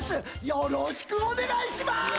よろしくお願いします！